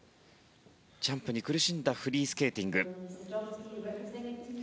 ジャンプに苦しんだフリースケーティング。